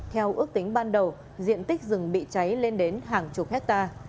theo ước tính ban đầu diện tích rừng bị cháy lên đến hàng chục hectare